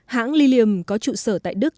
hãng lilium có trụ sở tại đức